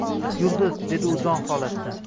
Yulduz, dedi u jon holatda